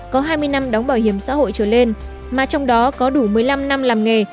có hai mươi năm đóng bảo hiểm xã hội trở lên mà trong đó có đủ một mươi năm năm làm nghề